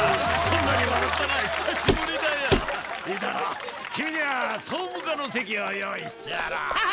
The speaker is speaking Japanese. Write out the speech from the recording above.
君には総務課の席を用意してやろう。